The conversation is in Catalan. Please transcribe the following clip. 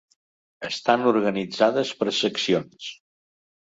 Estan organitzades per seccions.